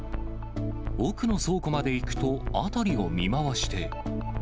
奥の倉庫まで行くと、辺りを見回して。